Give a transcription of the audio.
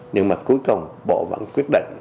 nhưng mà cuối cùng bộ vẫn quyết định